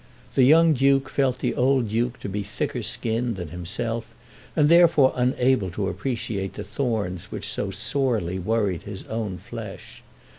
The young Duke felt the old Duke to be thicker skinned than himself and therefore unable to appreciate the thorns which so sorely worried his own flesh.